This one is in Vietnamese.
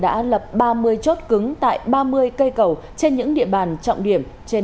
đã lập ba mươi chốt cứng tại ba mươi cây cầu trên những địa bàn trọng điểm trên